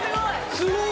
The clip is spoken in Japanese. すごい。